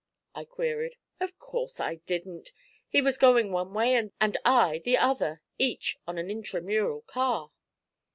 I queried. 'Of course I didn't. He was going one way, and I the other, each on an Intramural car.'